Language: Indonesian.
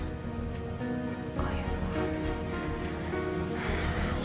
oh ya tuhan